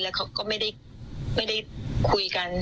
แล้วเขาก็ไม่ได้คุยกัน